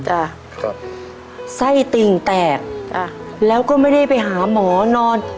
ค่ะใส่ติ่งแตกค่ะแล้วก็ไม่ได้ไปหาหมอนอน